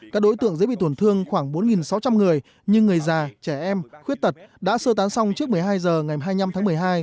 các đối tượng dễ bị tổn thương khoảng bốn sáu trăm linh người như người già trẻ em khuyết tật đã sơ tán xong trước một mươi hai h ngày hai mươi năm tháng một mươi hai